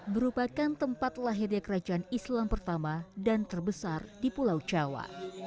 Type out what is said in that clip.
merupakan tempat lahirnya kerajaan islam pertama dan terbesar di pulau jawa